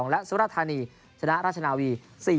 และสุรธานีชนะราชนาวี๔๐